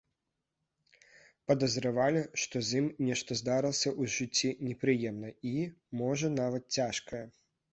Падазравалі, што з ім нешта здарылася ў жыцці непрыемнае і, можа, нават цяжкае.